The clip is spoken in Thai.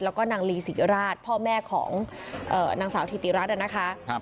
แล้วก็นางลีศรีราชพ่อแม่ของนางสาวธิติรัฐนะคะ